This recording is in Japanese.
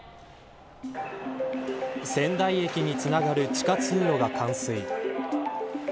仙台駅につながる地下通路が冠水。